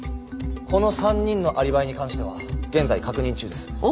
この３人のアリバイに関しては現在確認中です。